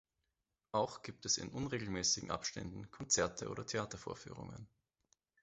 Auch gibt es in unregelmäßigen Abständen Konzerte oder Theatervorführungen.